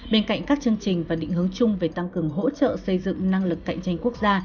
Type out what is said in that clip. bên cạnh các chương trình và định hướng chung về tăng cường hỗ trợ xây dựng năng lực cạnh tranh quốc gia